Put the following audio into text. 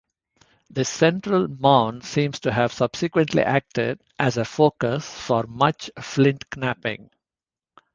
The central mound seems to have subsequently acted as a focus for much flint-knapping.